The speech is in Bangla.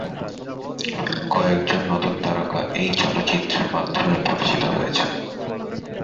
কয়েকজন নতুন তারকা এই চলচ্চিত্রের মাধ্যমে পরিচিত হয়েছেন।